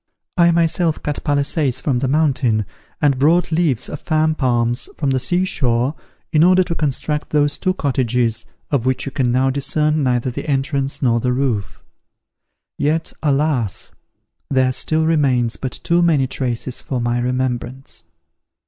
I myself cut palisades from the mountain, and brought leaves of fan palms from the sea shore in order to construct those two cottages, of which you can now discern neither the entrance nor the roof. Yet, alas! there still remains but too many traces for my remembrance!